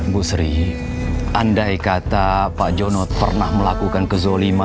bu sri andai kata pak jono pernah melakukan kezoliman